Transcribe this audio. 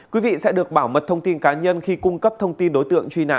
quý vị sẽ được bảo mật thông tin cá nhân khi cung cấp thông tin đối tượng truy nã